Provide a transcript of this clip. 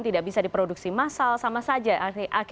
tidak bisa diproduksi massal sama saja